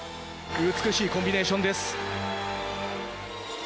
美しいコンビネーションです。